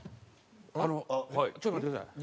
あのちょっと待ってください。